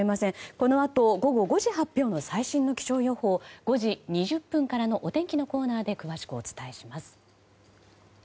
このあと午後５時発表の最新の気象予報を５時２０分からのお天気のコーナーで詳しくお伝えします。